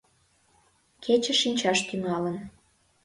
Кече шинчаш тӱҥалын.